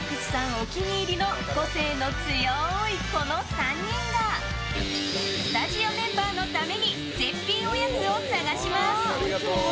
お気に入りの個性の強いこの３人がスタジオメンバーのために絶品おやつを探します。